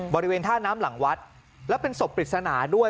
บริเวณท่าน้ำหลังวัดแล้วเป็นศพปริศนาด้วย